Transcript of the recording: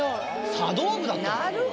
茶道部だったの？